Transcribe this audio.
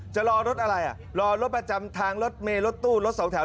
จะรอรถอะไรอ่ะรอรถประจำทางรถเมย์รถตู้รถสองแถว